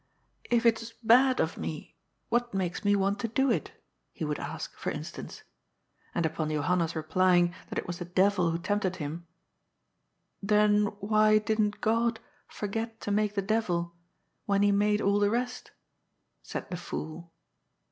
If it's bad of me, what makes me want to do it?" he would ask, for instance. And upon Johanna's replying that it was the devil who tempted him, " Then why didn't God forget to make the devil when he made all the rest ?" said the fool.